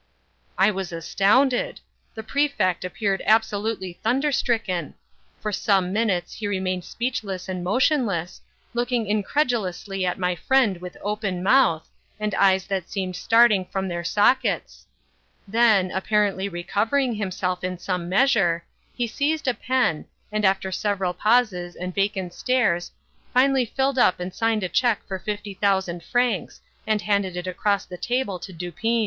I was astounded. The Prefect appeared absolutely thunder stricken. For some minutes he remained speechless and motionless, looking incredulously at my friend with open mouth, and eyes that seemed starting from their sockets; then, apparently recovering himself in some measure, he seized a pen, and after several pauses and vacant stares, finally filled up and signed a check for fifty thousand francs, and handed it across the table to Dupin.